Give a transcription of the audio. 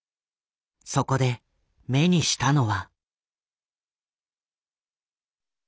そこで目にしたのは。